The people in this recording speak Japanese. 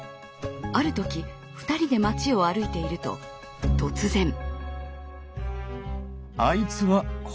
ある時２人で街を歩いていると突然。